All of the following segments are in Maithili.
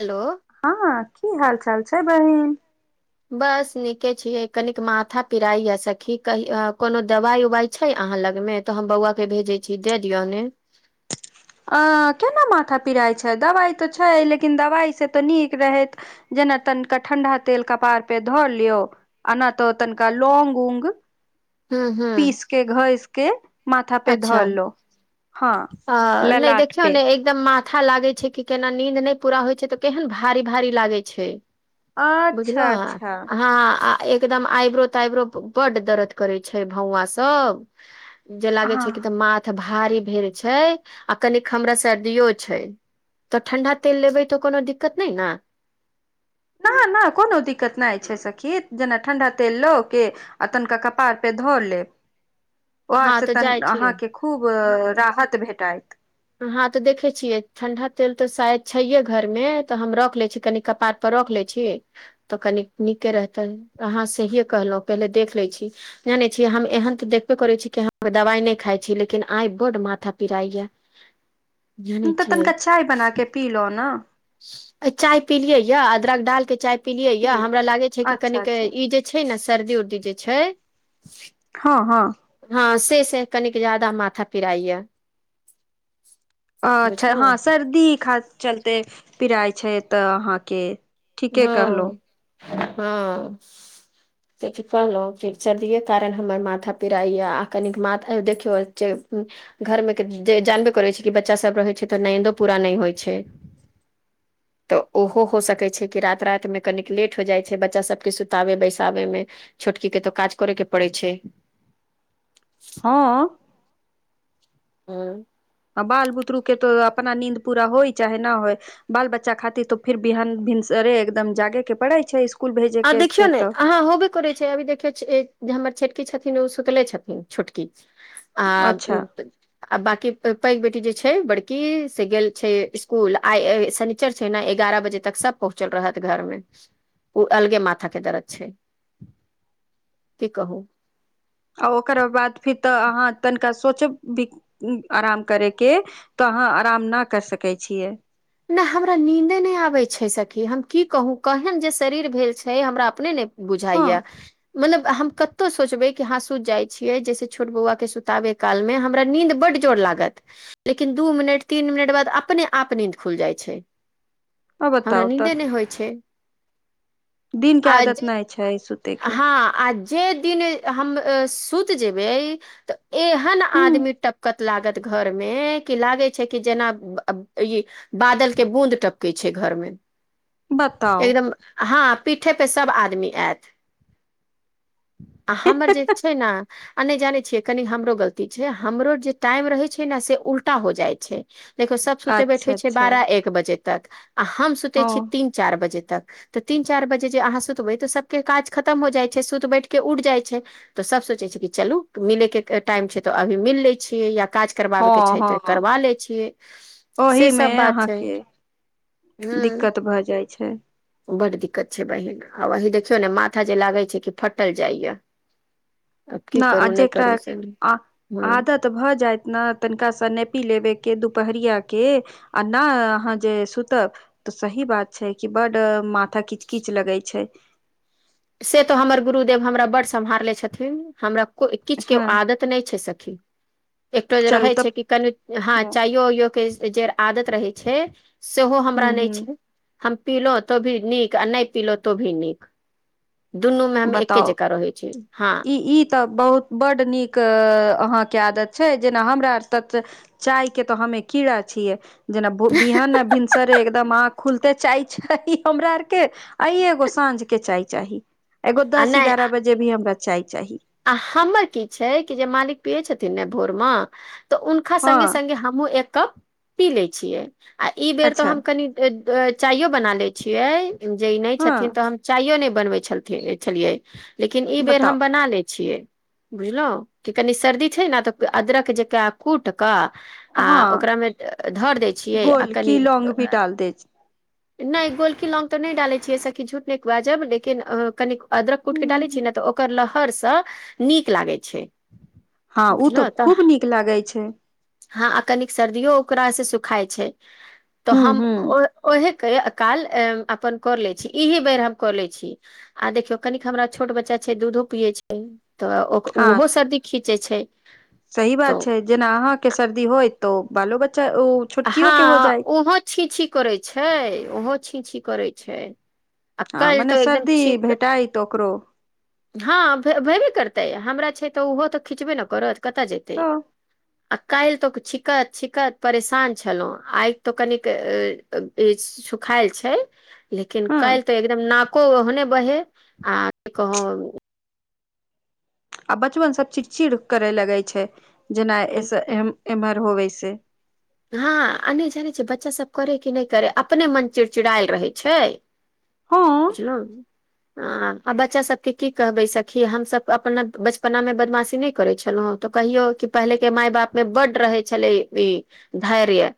हेलो हँ की हाल चाल छै बहिन बस नीके छीय कनिक माथा पिराई या सखी क कोनो दवाइ उवाइ छै अहाँ लग मे तऽ हम बौआ के भेजे छी दे दियऔ ने केना माथा पिराइ छै दवाइ तऽ छै लेकिन दवाइ से तऽ नीक रहैत जेना तनिके ठण्ढा तेल कपारपे धऽ लियौ अना तऽ तनिका लौंग उऊंग हुँ हुँ के घसय कें माथा पे धर लो हँ ह नहि ललाट देखियौ पे ने एकदम माथा लागे छै कि केना नींद नहि पूरा होइ छै तऽ केहन भारी भारी लागे छै बुझल अच्छा अच्छा हँ एकदम आइब्रो ताइब्रो बड दर्द करे छै भौँआ सब जे लागे हँ छै कि तऽ माथ भारी भेल छै आ कनि हमरा सर्दियो छै तऽ ठंडा तेल लेबै तऽ कोनो दिक्कत नहि ने ना ना कोनो दिक्कत नहि छै सखी जेना ठंडा तेल लो के आ तनिका कपार पे धो लेब वह हँ से तऽ तन जाइ छी अहाँके खूब राहत भेटाायत हँं तऽ देखे छियै ठंडा तेल तऽ शायद छैे घर मे तऽ हम रख ले छी कनि कपाट पर रख ले छी तऽ कनी नीके रहते अहाँ सहिे कहलहु पहिले देख ले छी जानै छीियै हम एहन तऽ देखबे करै छी कि हम दवाइ नहि खाइ छी लेकिन आइ बड्ड माथा पिराइया [unintelligible] जानै तऽ छियै तनिका चाय बना के पीलो ने चाय पीलियै या अदरक डालके चाय पलियै या पिय हमरा लागे छै कि अच्छा कनिक अच्छा ई जे छै ने शर्दी उर्दी जे छै हँ हँ हँ से से कनिक ज्यादा माथा पिराइ या अच्छा बुझलहु हँ सर्दी खा चलते पिराय छै तऽ अहाँके ठीके कहलहु हँ हँ से कहलहुँ फिर सर्दिये कारण हमर माथा पिराइ यए आ कनिक मा देखियौ घरमे जे जानबे करै छै कि बच्चा सब रहै छै तऽ नन्दो पूरा नहि होइ छै तऽ ओहो हो सकैत छै कि राात राति में कनिक लेट हो जाइ छै बच्चा सबके सुताबे बैसाबे मे छोटकी के तऽ काज करेके पड़ै छै हँ हँ बाल बुतरु के तो अपना नींद पूरा होय चाहे न होय बाल बच्चा खातिर तो फिर बिहान भिनसरे एकदम जागे के पढ़ै छै स्कुल भेजे आ के देखियो छै नेे तऽ आहाँ होबे करै छै अभी देखियौ जे हमर छोटकी छथिन ओ सुतले छथिन छोटकी आ अच्छा उत आ बाकी पैघ बेटी जे छै बड़की से गेल छै स्कूल आनि ल छै ने एगारह बजे तक सब पहुँचल रहत घरमे ओ अलगे माथा के दरद छै की कहू आ ओकर बाद फिर तऽ अहाँ तनिका सोचब भी आराम करयके तऽ अहाँ आराम न कर सकै छियै नहि हमरा नीन्दे नहि आबैत छै सखी हम की कहू केहन जे शरीर भेल छै हमरा अपने ने हँ बुझाइया मतलब हम कतौ सोचबे क ह सुति जाइ छियै जैसे छोट बौआ के सुतावे काल में हमरा नींद बड जोड़ लागत लेकिन दू मिनट तीन मिनट बाद अपने आप निद खुल जाइ छै आ हमरा बताउ नीदे तऽ नहि होइ छै दिनके आज आदत नहि छै सुतयके हँ आ जे दिन हम सुत जेबे तऽ एहन ह आदमी टपकत लागत घरमे कि लागे छै कि जेना ई बादल के बूद टपकेै छै घर मे बताउ एकदम ह पीठे पे सब आदमी आत आ हमर छै ने आ नहि जानै छियै कनि हमरो गलती छै हमरो जे टाइम रहै छै ने से उल्टा हो जाइ छै देखौ सब सुते बैठ हो अच्छा छै अच्छा बारह एक बजे तक आ हम सुते छीै हँ तीन चारि बजे तक तऽ तीन चारि बजे जे अहाँ सुतबै तऽ सभके काज खतम हो जाइ छै सुत बैठ कऽ उठि जाइ छै तऽ सभ सोचै छै कि चलू मिलेके टाइम छै तऽ अभी मिल लै छियै या काज करबाबे के हँ छै त करबा लय छीय से मे सब बात छै अहाँके हूँ दिक्कत भए जाइ छै बड दिक्कत छै बहिीन आ वही देखियौ ने माथा जे लागै छै कि फटल जाइया आब की न आ करू नहि जेकरा करू से हँ आदत भऽ जायत ने तनिकाँ नेपी लेबेके दुपहरिया के आ नहि अहाँ जे सुतब तऽ सही बात छै कि बड माथा किच किच लगै छै से तो हमर गुरुदेव हमरा ब् सम्हारले छथिन हमरा किछ के हँ आदत रहै छै चलू तब ह च आदत रहै छै सेहो हमरा नहि ह छै हम पीिलो तो भी नीक आ नहि पीिलो तो भी नीक दुनूमे हम एके बताउ जकाँ रहैत छी हँ ई ई तऽ बहुत बड नीक अहाँके आदत छै जेना हमरा आर तत चाय के तऽ हमे कीड़ा छियै जेना बिहान भन् सरे एकदम आँख खुलते चाय चाही हमरा आरके आ एगो साँझ के चाय चाही एगो आ दस नहि एगारह बजे भी हमरा चाय चाही आ हमर की छै कि जे मालिक पियै छथिन ने भोर मे तऽ हुनका संगगे हँ सगे हमहहुँ एक कप पी ले छियै आ ई बेर तो अच्छा हम कनि चाइयो बना लै छियै जे ई नहि छथिन हँ तऽ हम चाइयो ने बनवे छल छलिये लेकिन ई बेर हम बताउ बना ले छिय बुझलहु कि कनि सर्दी छै ने तऽ अदरक जक कूट कऽ आ हँ ओकरामे धर दै छियै आ गोल कनि की लौंग भी डाल दे नहि गोलकी लोग तऽ नहि डालैत छियैसँ कि झूठ नआाज जाब लेकिन क अदरक कूट के डालै छीै न तऽ ओकर लहरसँ नीक लागै छै हँ ओ तऽ खूब नीक लागै छै हँ आ कनिक सर्दियो ओकरासँ सुखाइ छै तऽ हूँ हम हूँ ओ ओहे काल अपन कऽ लै छी इही बेर हम कऽ लै छी आ देखियौ कनिक हमरा छोट बच्चा छै दूधो पिये छै तऽ ओ हँ ओहो सर्दी खींचे छै सही बात तऽ छै जेना अहाँके सर्दी होय तऽ बालो बच्चा ओ छोटकियो के हो हँ जायत ओहो छीींछी करैत छै ओहो छिंछी करैत छै अक्कल तो एकदम चीक जाइ तोकरो हँ भेबे करतै हमरा छै तऽ ओहो तऽ खिचबे ने करत कतय जेतै [inaudible] आ काल्हि तक छिकत छिकत परेशान छलहुँ आई त कनिक त ई सुखायल छै लेकिन हँ काल्हि त एकदम नाको ओहने बहे आ की कहब आ बचुअन सब चिड़चिड़ करे लगै छै जेना ऐस एम्हर होवे से हँ आ नहि जानै छ बच्चा सब करे कि नहि करे अपने मन चिड़चिड़ायल रहै छै हँ बुझलौं अ आ बच्चा सबके की कहबे सखी हमसभ अपना बचपना मे बदमाशी नहि करे छलौ हँ तऽ कहियो कि पहिले के मााय बाप मे बड्ड रहे छलै ई धैर्य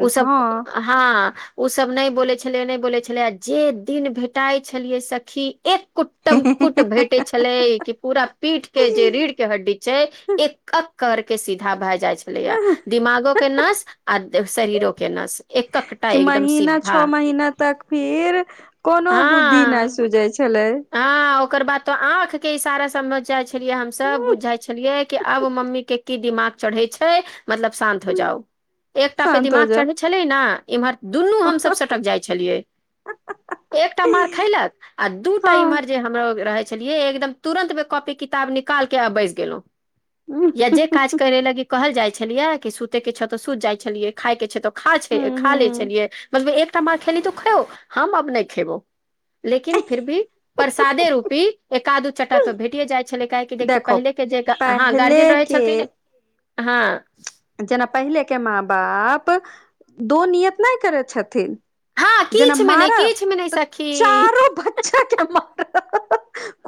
ओ सब हँ हँ ओ सब नहि बोले छलैया नहि बोले छलैया आ जे दिन भेटाइ छलियै सखी एक कुट्टम कुट भेटे छलै कि पूरा पीठ के जे रीढ़ के हड्डी छै एक एक कर के सीधा भए जाइ छलैया दिमागोक के नास आ शरीरोके नस एक कखटा कि महीना छओ महीना तक फिर कोनो बुद्धि नहि सुूझैत छलै हं ओकर बाद त आंख के इसारा समझ जाय छै छलियै हमसब बुझ जाइ छलियै कि आब मम्मी के की दिमाग चढ़ै छै मतलब शान्त हो जाउ एकटा पे शान्त हो दिमाग जाउ चढ़ै छलै न इम्हर दुनू हँ हमसब सटक जाइ छलियै एकटा मार खैलक आ दू टा इम्हर जे हमरा लग रहै छलियै एकदम तुरन्त में कॉपी किताब निकालके आ बैस गेलौं ह या जे काज करे लागी कहल जाय छलिये क कि सुते के छ तो सुत जाय छलिये खाय के छे तो खा ह खा ले ह छलियै मतलब एक तमा खेेली त खो हम अब नहि खेबौ लेकिन फिर भी प्रसादे रूपी एकादू चट्टा परे भेटिए जाइ छलै काहेकि देखियौ देखो पहिले के जेका हँ पहले गार्जियन रहै के छथिन हँ जेना पहिले के माँ बाप दो नियत नहि करैत छथिन हँ जेना किछु मे नहि मारब किछु मे नहि तऽ सखी चारो बच्चा कें मारब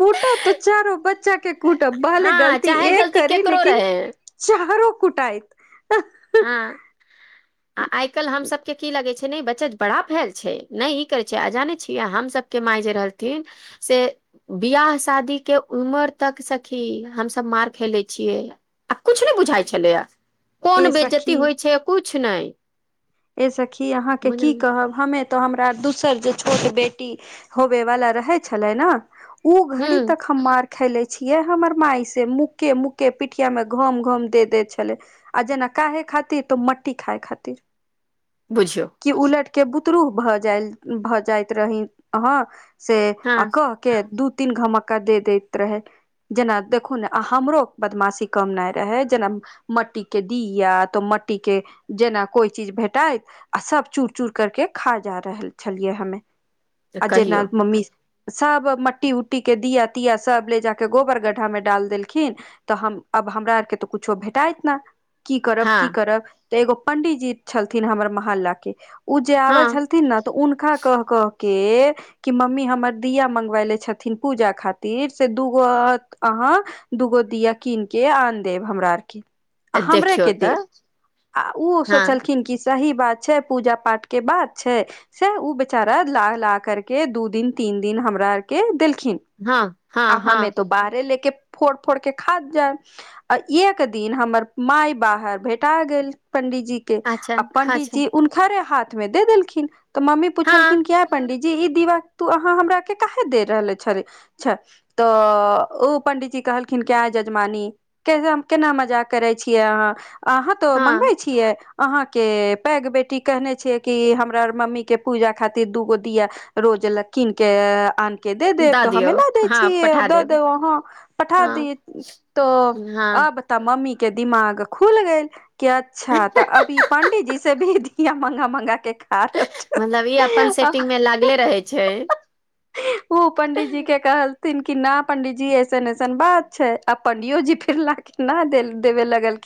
कूट तऽ चारो बच्चा के कुटब भहले हँ गलती चाहे एक गलती करी केकरो लेकिन रहे चारो कुटाईत हँ आ आइ काल्हि हमसभके की लगै छै ने बच्चा बड़ा भेल छै नहि ई करै छै आ जानै छियै हम सभके माय जे रहलथिन से बियाह शादी के उमर तक सखी हमस मार खेले छियै आ कुछ नहि बुझाइ छलैया ए कोन बेज्जती सखी होइ छै किछु नहि ए सखी अहाँके की बुझलहु कहब हमे तो हमरा दोसर जे छोट बेटी होबे वाला रहै छलै न ओ घड़ी हूँ तक हम मार खयेलै छियै हमर माइ से मुक्के मुक्के पिठियामे घम घम दे दै छलै आ जेना काहे खातिर तऽ मट्टी खाए खातिर बुझियौ कि उलट के बुतरू भ जा भऽ जाइत रही ह से आ हँ कह के दू तीन धमक्का दे दैत रहैन जेना देखु ने हमरो बदमाशी कमनाइ रहै जेना मट्टी के दीया तऽ मट्टी के जेना कोइ चीज भेट भेटय आ सब चूर चूर करके खा जा रहल छलियै हमे तऽ आ जेना कहियौ मम्मी सब मट्टी उट्टी के दिया तिया सब ले जाके गोबर गड्ढा मे डाल देलखिन तऽ हम अब हमरा आरके तऽ कुछो भेटाइत न की करब की हँ करब तऽ एगो पंडीजी छलथिन हमर मोहल्ला के ओ जे आबे हँ छल थिन ने तऽ हुनका कह क के कि मम्मी हमर दिया मङ्गबायलने छथिन पूजा खातिर से दूगो अहाँ दूगो दिया कीन के आन देब हमरा आरके आ हमरे देखियौ के तऽ देब आ ओ हँ सोचलखिन कि सही बात छै पूजा पाठ के बात छै से ओ बेचारा ला ला कर के दू दिन तीन दिन हमरा आर के देलखिन हँ आ हँ हमे हँ त बाहरे लेके फोड़ फोड़ के खायब जायब आ एक दिन हमर माय बाहर भेटा गेल पंडीजी अच्छा अच्छा पंडितजी हुनकरे हाथ मे दे देलखिन तऽ मम्मी पुछलखिन हँ कि ऐअ पंडितजी जी ई दिवाल तू अहाँ हमरा के के काहाॅं दे रहले छे छै तऽ ओ पंडीजी कहलखिन क्य यजमानी के केना मजा करै छियै अहाँ अहाँ तो हँ मँगबै छियै अहाँ के पैघ बेटी कहने छियै कि हमरार मम्मीके पूजा खातिर दुूगो दिआ रोज ल कीन के आन के दे देब दऽ तऽ हमे दियौ न दे हँ छियै पठा द देब वहाँ पठा हँ दिय त हँ अब तऽ मम्मी के दिमाग खुल गेल कि अच्छा तऽ अब ई पण्डितजी से भी दिया मंगा मंगा के खाय मतलब ई अपन आ सेटिंग मे लागले रहै छै ओ पंडितजी के कहल न क ना पंडीजी ऐसन ऐसन बात छै आ पंडियो जी फरना के न देेल देबे लगल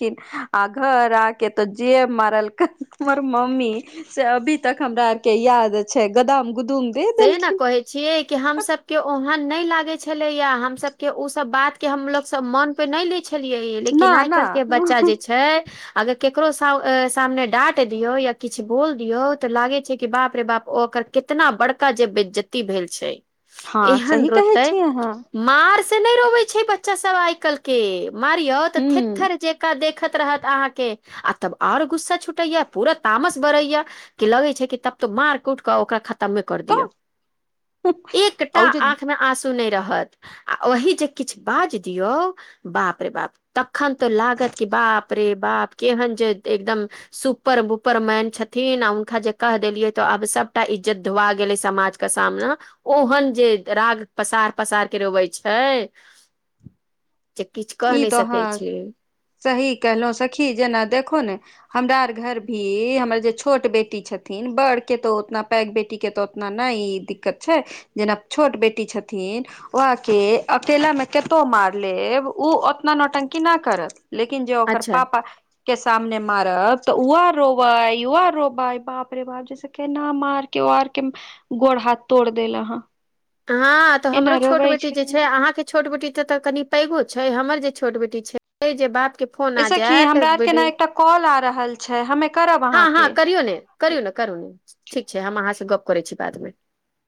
आ घर आ के तऽ जे म हमर मम्मी से अभी तक हमरा आर के याद छै गदाम गुदम से न कहै छियै कि हम सब के ओहन नहि लागै छलैया हम सब के उ सब बात के हमलोग सब मन पे नै ले छलियै ये न लेकिन आइ न काल्हि के बच्चा जे छै अगर केकरो सामने डाँट दियौ या किछु बोल दियऔ तऽ लागै छै कि बाप रे बाप ओ ओकर कितना बड़का जे बेइज्जती भेल छै हँ एहन सही कहै रोते छी अहाँ मार से नहि रोवे छै बच्चा सब आइ कालिह के मारिय तऽ हूँ थेथर जेका देख देख रहत अहाँके आ तब आओर गुस्सा छुटैया पूरा तामस बरैया कि लगे छै कि तब तो मार कूट कऽ ओकरा खतम मे कर दिअ तऽ एकटा ओ जे आँखमे आंसू सुने रहत आ ओहि जे किछु बाज दियौ बाप रे बाप तखन तऽ लागत कि बाप रे बाप केहन जे एकदम सुपर बुपर मैन छथिन आ हुनका जे कह देलियै तऽ आब सभटा इज्जत धुआ गेलै समाज के सामना ओहन जे राग पसार पसार के रोबै छै जे किछु कहि ई नहि तो सकैत अहाँ छी सही कहलहुँ सखी जेना देखो ने हमरा आर घर भी हमर जे छोट बेटी छथिन बड़ के तो ओतना पैघ बेटीके तऽ उना ने ई दिक्कत छै जेना छोट बेटी छथिन वहके अकेलामे कतो मार लेब ओ उतना नोटंकी न करत लेकिन जॅं ओकर अच्छा पापा के सामने मारब तऽ उहो रोवै यहो रोवै बाप रे बाप जैसे केना मार के आर के गोड़ हाथ तोड़ देल ह हँ तऽ हमरो छोट बेटी जे छै अहाँके छोट बेटी ते त कनी पैघो छै हमर जे छोट बेटी छै जे बाप के फोन ए आ सखि जायत हमरा आर के ने वीडियो एकटा कॉल आ रहल छै हमे करब हँ हँ अहाँके करयो ने करियो ठीक ने करु ने ठीक छै हम अहाँ से गप करै छी बाद मे